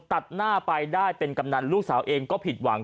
ตัดหน้าไปได้เป็นกำนันลูกสาวเองก็ผิดหวัง